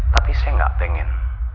tapi saya nggak pengen